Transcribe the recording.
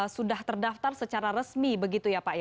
sudah terdaftar secara resmi begitu ya pak